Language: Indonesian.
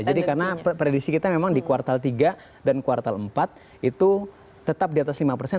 jadi karena prediksi kita memang di kuartal tiga dan kuartal empat itu tetap di atas lima persen